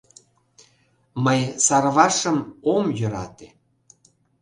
Мый Сарвашым ом йӧрате.